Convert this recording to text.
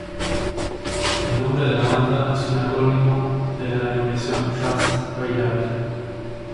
El nombre de la banda es un acrónimo de la denominación "jazz bailable".